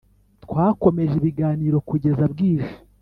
twakomeje ibiganiro kugeza bwije.